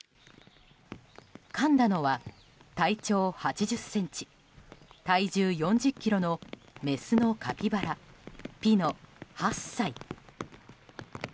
かんだのは、体長８０ｃｍ体重４０ｋｇのメスのカピバラピノ、８歳。